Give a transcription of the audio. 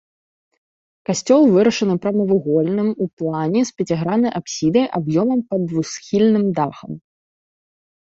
Касцёл вырашаны прамавугольным у плане з пяціграннай апсідай аб'ёмам пад двухсхільным дахам.